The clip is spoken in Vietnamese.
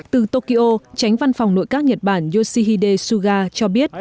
từ tokyo tránh văn phòng nội các nhật bản yoshihide suga cho biết